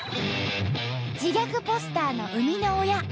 自虐ポスターの生みの親